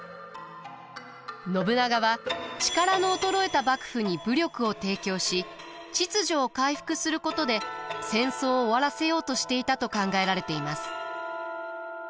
信長は力の衰えた幕府に武力を提供し秩序を回復することで戦争を終わらせようとしていたと考えられています。